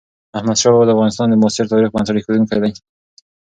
احمدشاه بابا د افغانستان د معاصر تاريخ بنسټ اېښودونکی دی.